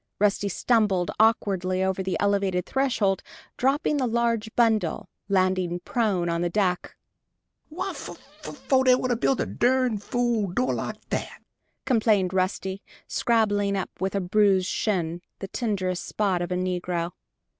Rusty stumbled awkwardly over the elevated threshold, dropping the large bundle, landing prone on the deck. "Wha'f f foh they want to build a dern fool door like that?" complained Rusty, scrambling up with a bruised shin, the tenderest spot of a negro.